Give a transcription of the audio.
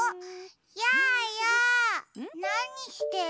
やーやなにしてるの？